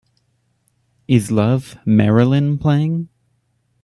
Is Love, Marilyn playing